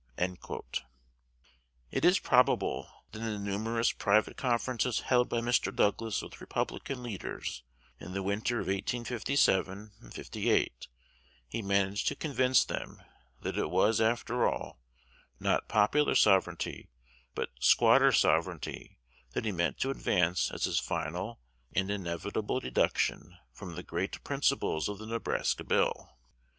It is probable, that, in the numerous private conferences held by Mr. Douglas with Republican leaders in the winter of 1857 8, he managed to convince them that it was, after all, not popular sovereignty, but squatter sovereignty, that he meant to advance as his final and inevitable deduction from "the great principles" of the Nebraska Bill.